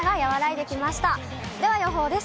では予報です。